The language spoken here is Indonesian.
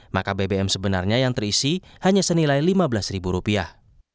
maka bbm sebenarnya yang terisi hanya senilai lima belas ribu rupiah